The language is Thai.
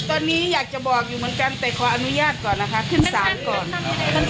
ตอนนี้อยากจะบอกอยู่เหมือนกันแต่ขออนุญาตก่อนนะคะขึ้นศาลก่อน